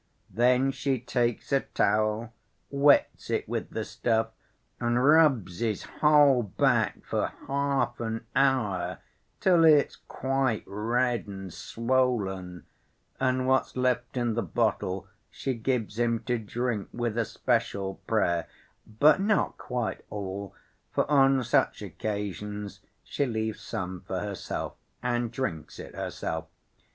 Then she takes a towel, wets it with the stuff, and rubs his whole back for half an hour till it's quite red and swollen, and what's left in the bottle she gives him to drink with a special prayer; but not quite all, for on such occasions she leaves some for herself, and drinks it herself.